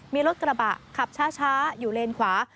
มีรถกระบะขับช้าอยู่เลนขวา